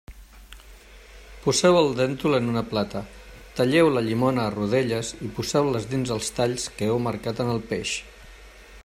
Poseu el déntol en una plata, talleu la llimona a rodelles i poseu-les dins els talls que heu marcat en el peix.